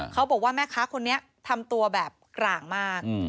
เขาบอกว่าแม่ค้าคนนี้ทำตัวแบบกลางมาก